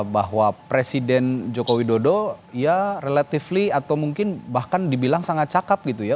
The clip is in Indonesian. bahwa presiden joko widodo ya relatively atau mungkin bahkan dibilang sangat cakep gitu ya